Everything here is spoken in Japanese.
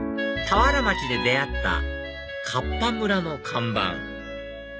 田原町で出会ったかっぱ村の看板